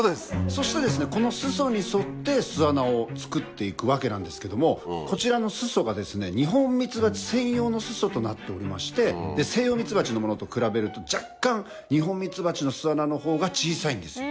そしてこの巣礎に沿って巣穴を作っていくわけなんですけどもこちらの巣礎がニホンミツバチ専用の巣礎となっておりましてセイヨウミツバチのものと比べると若干ニホンミツバチの巣穴の方が小さいんです。